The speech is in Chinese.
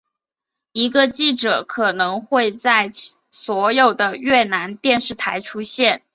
一个记者可能会在所有的越南电视台出现。